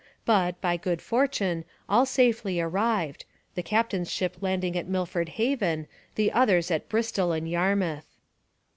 But, by good fortune, all safely arrived, the captain's ship landing at Milford Haven, the others at Bristol and Yarmouth.